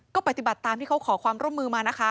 ก็ปฏิบัติตามที่เขาขอความร่วมมือมานะคะ